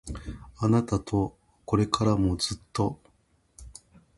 あなたとこれからもずっと